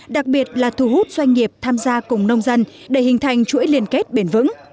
đặc biệt là thu hút doanh nghiệp tham gia cùng nông dân để hình thành chuỗi liên kết bền vững